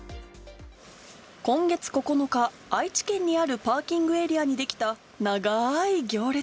今月９日、愛知県にあるパーキングエリアに出来た長い行列。